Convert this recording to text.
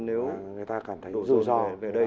nếu đổ dồn về đây